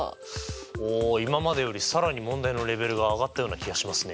おお今までより更に問題のレベルが上がったような気がしますね。